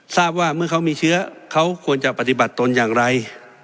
ทราบว่าเมื่อเขามีเชื้อเขาควรจะปฏิบัติตนอย่างไร